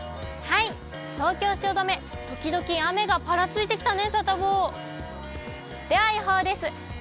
東京・汐留、時々雨がぱらついてきたね、サタボー。